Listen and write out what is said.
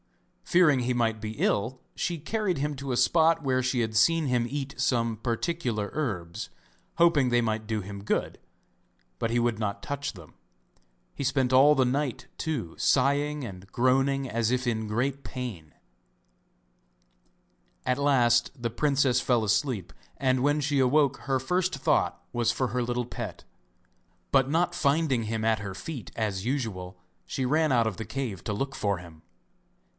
Fearing he might be ill she carried him to a spot where she had seen him eat some particular herbs, hoping they might do him good, but he would not touch them. He spent all the night, too, sighing and groaning as if in great pain. At last the princess fell asleep, and when she awoke her first thought was for her little pet, but not finding him at her feet as usual, she ran out of the cave to look for him.